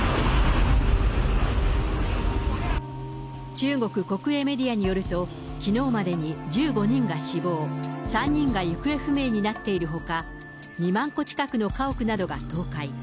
中国国営メディアによると、きのうまでに１５人が死亡、３人が行方不明になっているほか、２万戸近くの家屋などが倒壊。